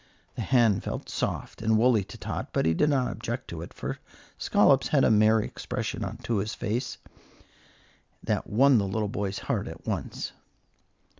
The hand felt soft and woolly to Tot, but he did not object to it, for Scollops had a merry expression to his face that won the little boy's heart at once.